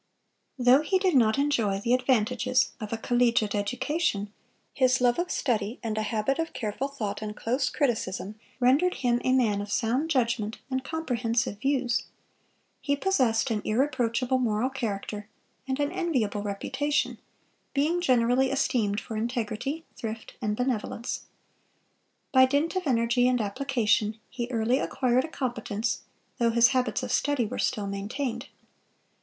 Though he did not enjoy the advantages of a collegiate education, his love of study and a habit of careful thought and close criticism rendered him a man of sound judgment and comprehensive views. He possessed an irreproachable moral character and an enviable reputation, being generally esteemed for integrity, thrift, and benevolence. By dint of energy and application he early acquired a competence, though his habits of study were still maintained.